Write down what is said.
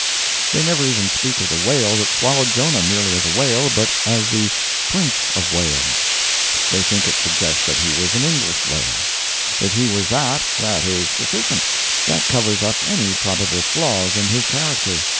They never even speak of the whale that swallowed Jonah merely as a whale, but as the Prince of Wales. They think it suggests that he was an English whale. If he was that, that is sufficient. That covers up any probable flaws in his character.